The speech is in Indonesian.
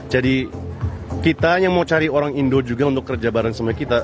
jadi kita yang mau cari orang indo juga untuk kerja bareng sama kita